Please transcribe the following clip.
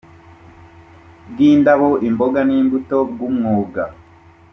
bw indabo imboga n imbuto bw umwunga